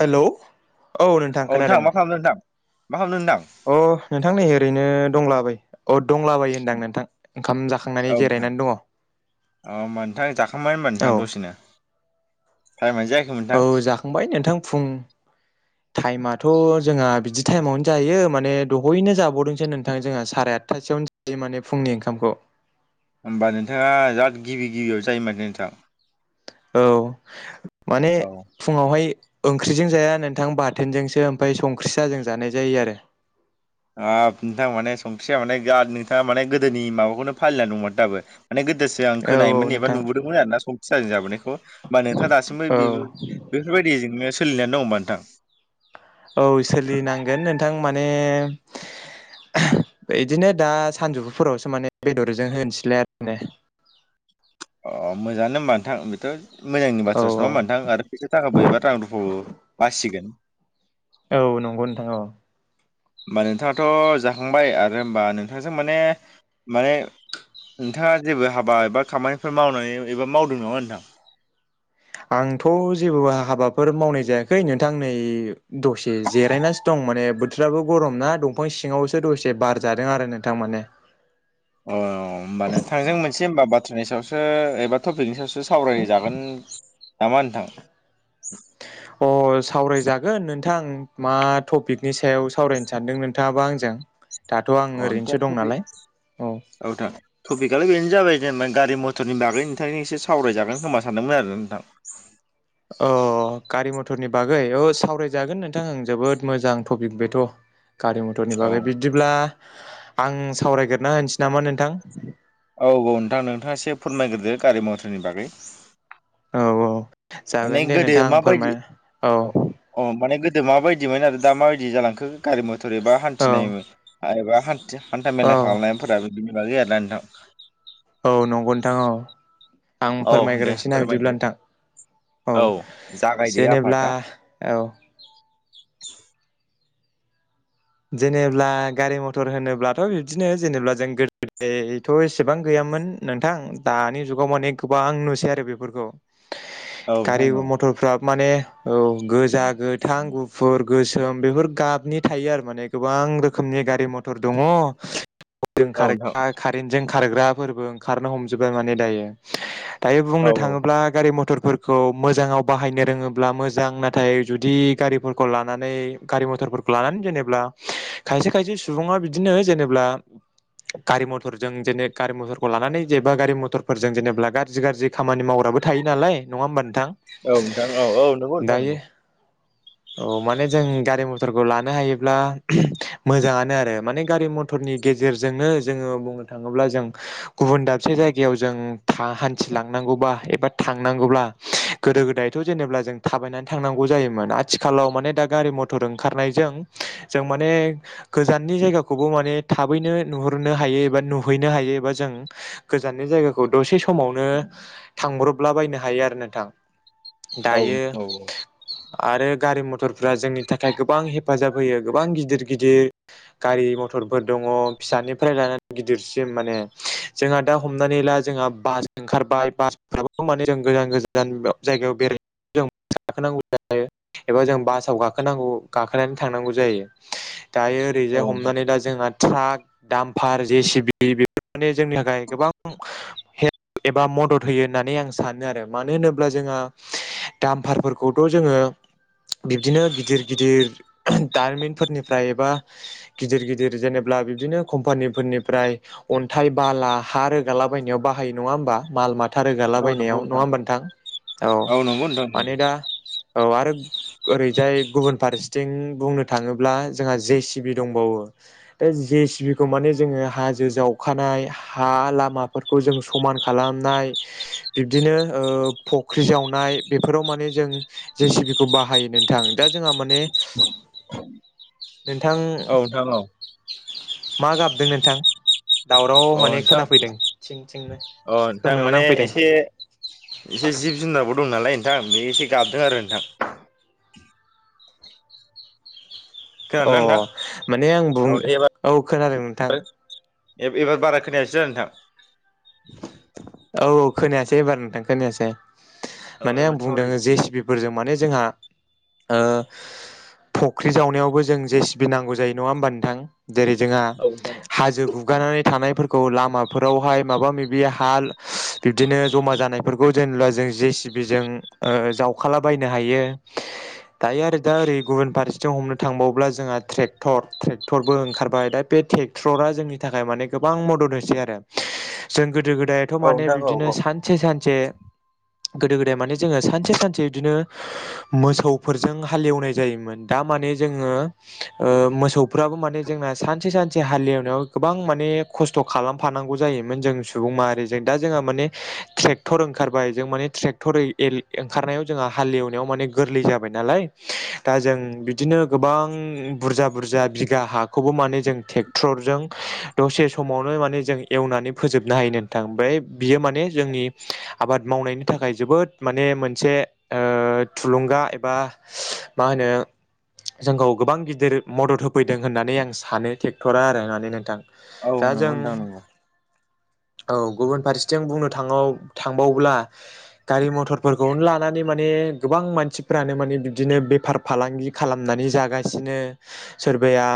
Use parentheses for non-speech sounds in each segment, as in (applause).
Hello औ नोंथां खोनादों। मा खालामदों नोंथां मा खालामदों नोंथां अह नोंथां नै ओरैनो दंला बायो औद। दंलाबायो होनदां नोंथां ओंखाम जाखांनानै औ नोंथां जिरायनानै दङ। अ होमबा नोंथां जाखांबाय होनबा औ नोंथां दसेनो। टाइमानो जायाखैमोनथां। औ जाखांबाय नोंथां फुं (inaudible) टाइमाथ' जोंहा बिदि टाइमावनो जायो माने दहैयनो जाबावदोंसो नोंथां जोंहा सारे आदथा। खासेयावनो जायो माने फुंनि ओंखामखौ। होमबा नोंथाङा जाद गिबि गिबियाव जायो माने नोंथां। औ माने औ फुङावहाय। ओंख्रिजों जाया नोंथां बाथोनजोंसो ओमफ्राय संख्रि साहाजों जानाय जायो आरो। हाब नोंथा माने संख्रिया जाद माने नोंथाङा माने गोदोनि माबाखौनो फालिना दंमोन दाबो। माने गोदोसो आ औ औ खोनायोन एबा नोंथां नुबोदोंमोन आरोना संखिज जाबोनायखौ। ओमबा नोंथाङा दासिमबो औ बेफोर-बेफोरबायदिजोंनो सोलिनो दङो ओमबा नोंथां। औ सोलिनांगोन नोंथां माने। इदिनो दा सानजौफुफोरावसो माने बेदरजों होनोसैलाय आरो ने। अ मोजाङानो होमबा नोंथां बेथ'। मोजांनि औ बाथ्रासो नङा होमबा नोंथां आरो फैसा थाखाबो एबा रां रुफाबो बासिगोन। औ नंगौ नोंथां औ होमबा नोंथाङाथ' जाखांबाय आरो होमबा नोंथांजों माने माने। नोंथाङा जेबो हाबा एबा खामानिफोर मावनानै एबा मावदों नामा नोंथां। आंथ' जेबो हाबाफोर मावनाय जायाखै नोंथां नै दसे जिरायनानैसो दं। दं माने बोथोराबो गरम ना दंफां सिङावसो दसे बार जादों आरो नोंथां माने। अ होमबा नोंथांजों मोनसे हबा बाथ्रानि सायावसो एबा टपिकनि सायावसो। सावरायनो जागोन नामा नोंथां। ओम सावरायजागोन नोंथां मा टपिकनि सायाव सावरायनो सानदों नोंथाङाबा आंजों। दाथ' आं अ नोंथा ओरैनोसो दं थपि नालाय औ औनोंथां थटपिकआनो गैनो जाबाय। जेनेबा गारि मथरनि बागै नोंथांनि एसे सावरायजागोन खोमा सानदोंमोन आरो नोंथां। अ गारि मथरनि बागै औ सावरायजागोन नोंथां आं जोबोद मोजां टपिक बेथ'। गारि मथरनि औ बागै बिदिब्ला आं सावरायगोरना होनोसै नामा नोंथां। औ औ नोंथां नोंथाङा एसे फोरमायग्रोदो गारि मथरनि बागै। औ औ माने जागोन दे गोदो नोंथां आं माबायदि फोरमाय औ अ माने गोद मााबायदिमोन आरो दा माबायदि जालांखो गारि मथर एबा औ हान्थिनाय आरो। हान्था औ मेला खालामनायफोराबो बिनि बागै आरोना नोंथां। औ नंगौ नोंथां औ आं औ दे फोरमायग्रोनोसै ना बिदिब्ला फोरमायदो नोंथां। औ जागायदो जेनेब्ला आफादा औ। (inaudible) जेनेबब्ला गारि मथर होनोब्लाथ' बिदिनो जेनेबा जों गोदोथ' एसेबां गैयाम। मोन नोंथां दानि जुगाव माने गोबां नुसै आरो बेफोरखौ। औ गारि नोंथां औ मथरफोरा माने औ गोजा, गोथां, गुफुर। गोसोम बेफोर गाबनि थायो आरो माने गोबां रोखोमनि गारि मथर दङ। औ ग नोंथां कारेन्टजों खारग्राफोरबो ओंखारनो हमजोबबाय माने दायो। दायो औ बुंनो थाङोब्ला गारि मथर फोरखौ मोजाङाव बाहायनो रोङोब्ला मोजां नाथाय जुदि गारिफोरखौ लानानै गारि मथर। फोर लानानै जेनेब्ला खायसे खायसे सुबुङा बिदिनो जेनेब्ला गारि मटरजों जेने गारि मथरखौ लानानै जेबा गारि मटरफोरजों जेनेबा गाज्रि गाज्रि खामानि मावो। बो थायो नालाय नङा होमबा नोंथां औ नोंथां औ औ नंगौ नोंथां दायो। नंगौ औ माने जों गारि मथरखौ लानो हायो ब्ला मोजाङानो आरो माने गारि मथरनि गेजेरजोंनो जोङो बुंनो थाङोब्ला जों। गुबुन दाबसे जायगायाव जों हान्थिलांनांगौबा एबा थांनांगौब्ला गोदो। गो गोदायथ' जेनेबा जों थाबायनानै थांनांगौ जायोमोन आथिखालाव माने दा गारि मथर ओंखारनायजों जों माने गोजाननि जायगाखौबो माने थाबैनो नुहरनो हायो एबा नुहैनो हायो। बा जों गोजाननि जायगाखौ दसे समावनो थांब्रबला बायनो हायो आरो नोंथां (inaudible) दायो औ आरो गारि मथरफ्रा जोंनि थाखाय गोबां हे फाजाब होयो गोबां गिदिर गिदिर गारि मथरफोर दङ' फिसानिफ्राय लानानै गिदिरसिम। माने जोंहा दा हमनानै ला जोंहा बास ओंखारबाय बास फोराबो माने जों गोजान गोजान (unintelligible) खोनानै थांनांगौ जायो दायो ओरैजाय औ नोंथां हमनानै दा जोंहा। ट्राक, दामफार जे सिबि बेफोर माने जोंनि थाखाय गोबां हे एबा मदद होयो होननानै आं सानो आरो मानो होनोब्ला जोंहा। दामफारफोरखौथ' जोङो बिब्दिनो गिदिर गिदिर दारिमिनफोरनिफ्राय एबा गिदिर गिदिर जेनेबा बिब्दिनो कम्पानिफोरनिफ्राय अन्थाइ बाला हा रोगाला बायनायाव बाहायो नङा होमबा माल माथ था रोगाला औ नंगौ बायनायाव नङा होमबा नोंथां औ नंगौ नोंथां नंगौ माने दा औ आरो ओरैजाय गुबुन फारस थिं बुंनो थाङोब्ला जोंहा जे सि बि दंबावो दा जे सि बि खौ माने जोङो हा जो जावखानाय हा लामाफोरखौ जों समान खालामनाय बिब्दिनो ओ ओ फुख्रि जावनाय बेफोराव माने जों जे सिबिखौ बाहायो नोंथां। दा जोंहा माने नोंथां औ (inaudible) मा गाबदों नोंथां? दावराव अ माने नोंथां खोनाफैदों थिं थिंनो अ नोंथां खोमायाव माने नांफैदों। एसे एसे जिब-जुनारबो दं नालाय नोंथां बे एसे गाबदों आरो नोंथां। अ खोनादोंना नोंथां माने आं बुं औ दे औ खोनादों नोंथां। एबार बारा खोनायासै दा नोंथां। औ औ खोनायासै एबार नोंथां खोनायासै औ माने आं एबार बुंदों सावरायफिनदो जे जि बिफोरजों माने जोंहा ओ फख्रि जावनायावबो जों जे सिबि नांगौ जायो नङा होमबा नोंथां? जेरै जोंहा औ नोंथां हाजो गुगानानै थानायफोरखौ लामाफोरावहाय माबा माबि हाल बिब्दिनो जमा जानायफोरखौ जेनेब्ला जों जे सि बिजों ओ जावखालाबायनो हायो। दायो आरो दा ओरै गुबुन फारसेथिं हमनो थांबावब्ला जोंहा ट्रेक्टर ट्रेक्टरबो ओंखारबाय दा ट्रेक्टरा जोंनि थाखाय माने गोबां मदद होसै आरो। जों गोदो-गोदाय थ' औ माने नोंथां बिबदिनो औ सानसे सानसे गोदो गोदाय माने जोङो सानसे सानसे बिदिनो मोसौफोरजों हालेवनाय जायोमोन। दा माने जोङो ओ मोसौफ्राबो माने जोंना सानसे सानसे हालेवनायाव गोबां माने खस्थ' खालामफानांगौ जायोमोन जों सुबुं माहारि दा जोंहा माने ट्रेकटर ओंखारबाय जों माने ट्रेकटरै ए ओंखारनायाव जोंहा हालेएवनायाव माने गोरलै जाबाय नालाय दा जों बिदिनो गोबां बुरजा बुरजा बिघा हा खौबो माने जों ट्रेक्टरजों दसे समावनो माने जों एवनानै फोजोबनो हायो। ओमफ्राय बियो माने जोंनि आबाद मावनायनि थाखाय जोबोद माने मोनसे ओ थुलुंगा एबा मा होनो जोंखौ गोबां गिदिर मदद होफैदों होननानै आं सानो ट्रेक्टरा आरो होननानै नोंथां। औ दा नंङौ जों नोंथां नंगौ औ गुबुन फारसेथिं बुंनो थाङो थांबावब्ला गारि मथरफोरखौनो लानानै माने गोबां मानसिफ्रानो माने बिदिनो बेफार फालांगि खालामनानै जागासिनो सोरबाया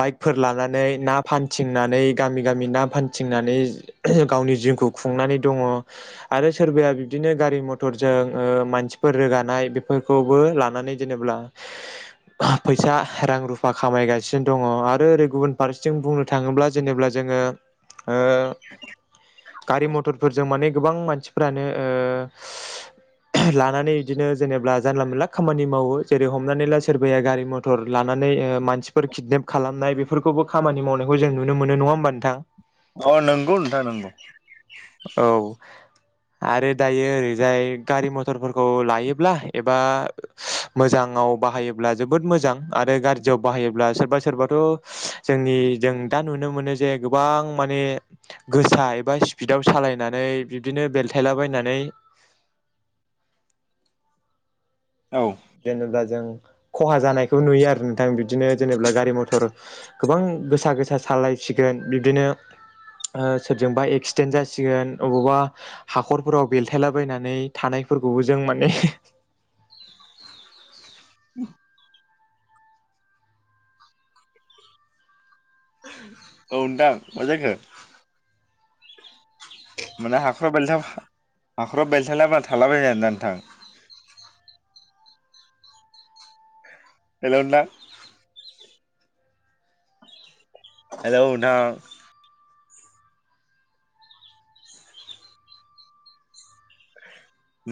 बाइकफोर लानानै ना फानथिंनानै गामि गामि ना फानथिंनानै गावनि जिउखौ खुंनानै दङ आरो सोरबाया बिबदिनो गारि मथरजों मानसि फोर रोगानाय बेफोरखौबो लानानै जेनेब्ला फैसा रां रुफा खामायगासिनो दङ आरो ओरै गुबुन फारसेथिं बुंनो थाङोब्ला जेनेब्ला जों जोङो ओ (inaudible) गारि मथरफोरजों माने गोबां मानसिफोरानो (inaudible) लानानै बिदिनो जेनेबा जानला मोनला खामानि मावो। जेरै हमनानै ला सोरबाया गारि मथर लानानै मानसिफोर किदनेप खालामनाय बेफोरखौबो खामानि मावनायखौ जों नुनो मोनो नङा होमबा नोंथां? अ नंगौ नोंथां नंगौ औ आरो दायो। ओरै जाय गारि मथरफोरखौ लायोब्ला एबा मोजां बाहायोब्ला जोबोद मोजां आरो गाज्रि आव बाहायोब्ला सोरबा सोरबाथ जों दा नुनो मोनो जे गोबां माने गोसा एबा बिदाव सालायनानै बिब्दिनो बेलथायला बायनानै औ जेनेबा जों खहा जानायखौ नुयो आरो नोंथां। बिदिनो जेनेबा गारि मथर गोबां गोसा गोसा सालायसिगोन। बिबदिनो सोरजोंबा एक्सिडेन्ट जासिगोन अबावबा हाखरफोराव बेलथायलाबायनानै थानाय। फोरखौबो जों माने (inaudible) औ नोंथां मा जाखौ माने हाख्राव बेलथाव हाखराव बेलथायलाब्रा थालाबाय आरोना नोंथां। हेलौ नोंथां। हेलौ नोंथां।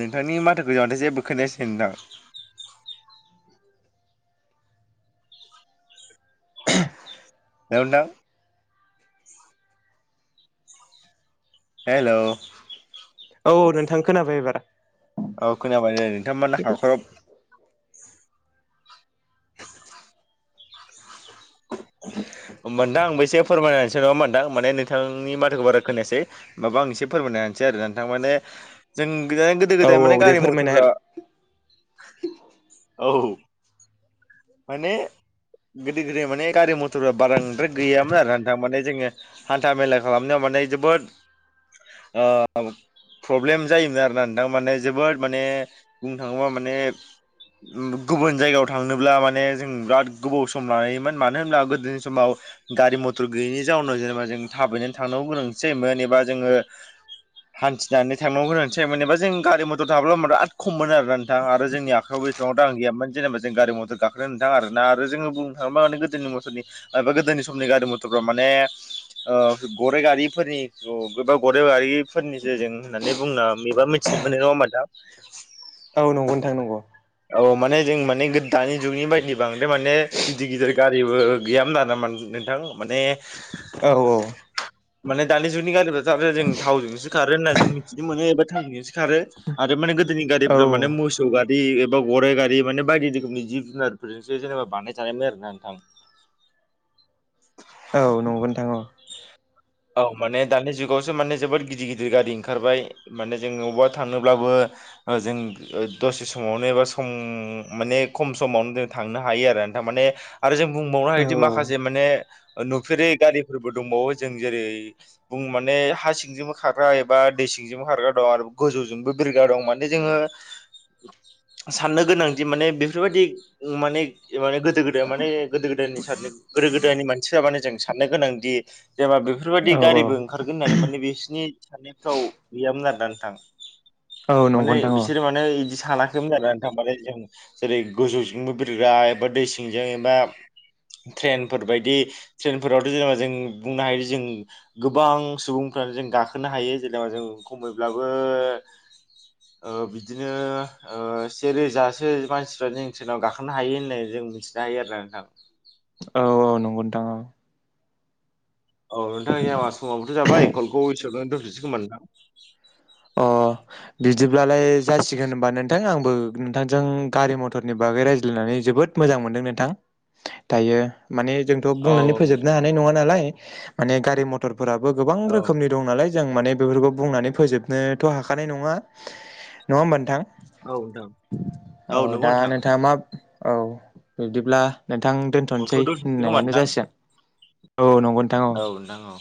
नोंथांनि माथोखौ जाबथाय जेबो खोनायासै नोंथां औ नोंथां हेलौ औ नोंथां खोनाबाय एबार औ खोनाबाय नोंथांमोना हाखर नोंथां आंबो एसे फोरमायनानै होनोसै नङा होनबा माने नोंथांनि बाथ्राखौ बारा खोनायासै माबा आं एसे फोरमायनाय। नोंथां माने जों गोदो औ गोदाय औ माने दे गारि फोरमायना हो मथरफ्रा औ माने गोदो गोदाय माने गारि मथरफ बारांद्राय गैयामोन आरो नोंथां माने जोङो हान्था मेला खालामनायाव माने जोबोद प्रब्लेम जायोमोन आरोना नोंथां माने जोबोद माने बुंनो थाङोबा माने गुबुन जायगायाव थांनोब्ला माने जों बिर गोबाव सम लानायोमोन मानो होना गोदोनि समाव गारि मथर गैयैनि जाउनाव जेनेबा जों थाबैनानै थांनांग गोनां जायोन एबा जोङो हान्थिनानै थांनांगौ गोनांसै जेनेबा जों गारि मथर थाब्लाब बिराद खम मोन आरो नोंथां आरो जोंनि आखायाव याव एसेबां गारि मथर गाखोनो नोंथां आरोना आरो जोङो बुंनो थाङोब्ला माने गोदोनि मसरनिा गोदोनि समनि गारि मथरफ्राव माने गरे गारिफोरनि गोबा गरे गारिफोरनिस जों होननानै बुंना मबा मोनथि मिथि मोनो नङा होनबा नोंथां। औ नंगौ नोथां नंगौ। औ माने जों माने गो दानि जुगनि बायदि बांद्राय माने गिदिर गिदिर गारिबो गैयामोन आरो नोंथां माने नोंथां माने औ औ माने दानि जुगनि गारिफ्रा थारो जों थावजोंसो खारो होनना जों मिथि बि मोनो एबा थांनिजोंसो खारो आरो माने गोदोनि गारिफोरा माने मोसौ गारि गराय गारि गारि माने बायदि रोखोमनि जिब जुनारफोरजोंसै जेनेबा बानायनाय थानायमोन आरो ना नोंथां। औ नंगौ नोंथां। औ माने दानि जुगावसो माने जोबोद गिदिर गिदिर गारि ओंखारबाय माने जों अबेबा थांङोब्लाबो जों दसे समावनो एबा सम माने खम समावनो जों थांनो हायो आरो जों बुंबावनो औ हायो माखासे मान नुफेरै गारिफोरबोंबावो जों जेरै बुं माने हा सिंजोंबो खारग्रा एबा दै सिंजोंबो खारग्रा दं आरो गोजौजोंबो बिरग्रा दं माने जोङो साननो गोनांदि माने बेफोरबायाददि माने माने गोदो गोदाय माने गोदो गोदायनि साननो गोदो गोदायनि मानसि जाबानो जों साननो गोनांदि जेबा बेफोरबदि गारिबो ओंखारगोन होननानै माने बिसनि साननायफ्राव गैयामोन आरोना नोंथां। औ नंगौ माने नोंथां औ बिसोर माने बिदि सानाखैमोन आरो नोंथां बालाय जों जेरै गोजौजोंबो बिरग्रा एबा दै सिंजों एबा ट्रेनफोर बायदि ट्रेनफोरावथ' जेनेबा जों बुंनो हायो जों गोबां सुबुंफ्रानो जों गाखोनो हायो जेनेबा जों खमैब्लाबो (inaudible) बिदिनो सेेरोजासो मानसिफ्रा जों ट्रेनाव गाखोनो हायो होननाय जों जों मिथिनो हायो आरोोना नोंथां। औ औ नंगौ नोंथां औ औ नोंथां जोंना समाबोथ' जाबाय कलखौ एसेआवनो दोनथ'नोसै खोमा नोंथां अ बिदिब्लालाय जासिगोन होनबा नोंथां आंबो नोंथांजों गारि मथरनि बागै रायज्लायनानै जोबोद जोबोद मोजां मोनदों नोंथां दायो माने जोंथ' औ बुंनानै फोजोबनो हानाय नङा नालाय माने गारि मथरफोराबो गोबां औ रोखोमनि दं नालाय जों माने बेफोरखौ बुंनानै फोजोबनोथ' हाखानाय नङा नङा होमबा नोंथां नोंथां औ दा नोंथाङा मा औ बिदिब्ला नोंथां कलखौ दोनथ'नोसै दोनथ'सै खोमा होननायानो नोंथां जासिगोन औ नं औ नोंथां औ